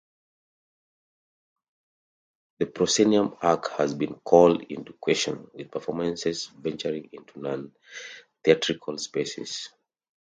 The proscenium arch has been called into question, with performances venturing into non-theatrical spaces.